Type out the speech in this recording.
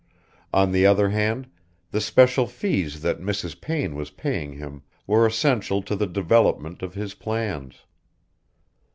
On the other hand the special fees that Mrs. Payne was paying him were essential to the development of his plans.